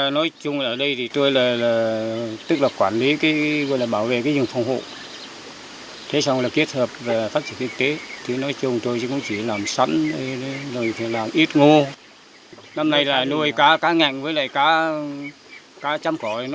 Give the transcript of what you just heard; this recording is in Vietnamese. năm nay là nuôi cá cá ngạnh với lại cá trăm cỏ nó không dịch